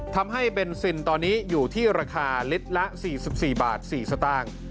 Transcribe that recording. เบนซินตอนนี้อยู่ที่ราคาลิตรละ๔๔บาท๔สตางค์